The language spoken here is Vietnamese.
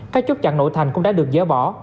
các chốt chặn nội thành cũng đã được dỡ bỏ